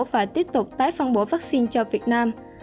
và tiếp tục tái phân bổ vaccine cho việt nam